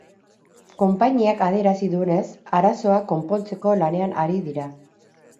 Konpainiak adierazi duenez, arazoa konpontzeko lanean ari dira.